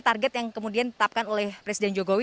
target yang kemudian ditetapkan oleh presiden jokowi